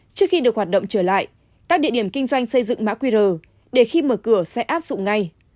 trước khi được hoạt động trở lại các địa điểm kinh doanh xây dựng mã qr để khi mở cửa sẽ áp dụng ngay